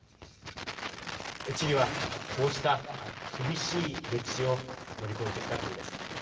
チリは、こうした厳しい歴史を乗り越えてきた国です。